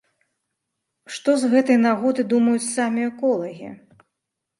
Што з гэтай нагоды думаюць самі эколагі?